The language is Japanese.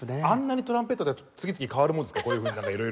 あんなにトランペット次々替わるものですか？